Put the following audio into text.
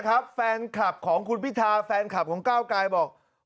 แฟนคลับของคุณพิธาแฟนคลับของก้าวกายบอก